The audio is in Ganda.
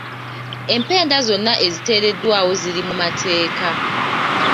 Empenda zonna eziteereddwawo ziri mu mateeka.